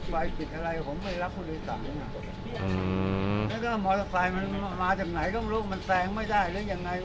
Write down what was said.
แล้วก็มอเตอร์ไซค์มันมาจากไหนรูปมันแซงไม่ได้หรือยังไง